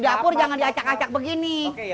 oke yaudah saya berhenti henti